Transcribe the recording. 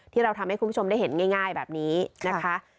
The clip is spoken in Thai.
ที่เราทำให้คุณผู้ชมได้เห็นง่ายแบบนี้นะคะ